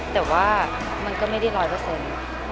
แต่ว่ามันก็ไม่ได้ร้อยเปอร์เซ็นต์